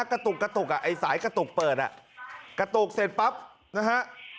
กระตุกกระตุกอ่ะไอ้สายกระตุกเปิดอ่ะกระตุกเสร็จปั๊บนะฮะ